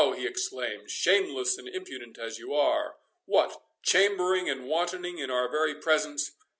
he exclaimed, "shameless and impudent as you are!—What—chambering and wantoning in our very presence!